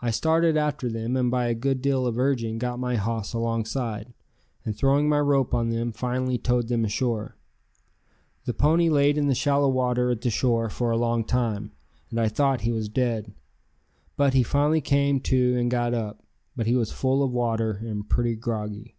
I started after them and by a good deal of urging got my hoss alongside, and throwing my rope on them finally towed them ashore. The pony laid in the shallow water at the shore for a long time, and I thought he was dead, but he finally came to and got up. But he was full of water and pretty groggy.